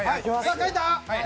書いた？